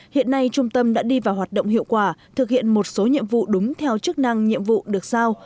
hiện nay trung tâm đã đi vào hoạt động hiệu quả thực hiện một số nhiệm vụ đúng theo chức năng nhiệm vụ được sao